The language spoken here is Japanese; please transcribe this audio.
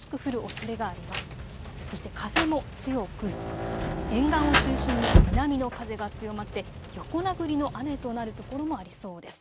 そして風も強く、沿岸を中心に南の風が強まって横殴りの雨となる所もありそうです。